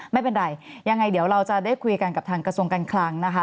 ไม่เป็นไรยังไงเดี๋ยวเราจะได้คุยกันกับทางกระทรวงการคลังนะคะ